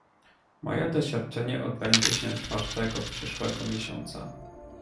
"Moje doświadczenie odbędzie się czwartego przyszłego miesiąca."